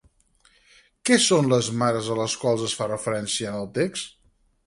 Què són les mares a les quals es fa referència en el text?